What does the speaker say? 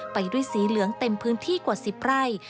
ไปด้วยสีเหลืองเต็มพื้นที่กว่า๑๐ไร่